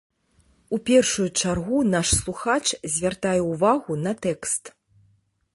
У першую чаргу наш слухач звяртае ўвагу на тэкст.